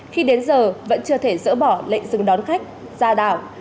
khi đến giờ vẫn chưa thể dỡ bỏ lệnh dừng đón khách ra đảo